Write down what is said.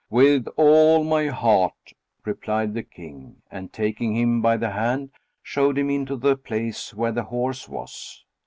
"With all my heart," replied the King, and taking him by the hand, showed him into the place where the horse was.